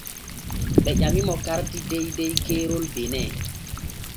Ɓe ƴamimo karti deydey keerol Benin.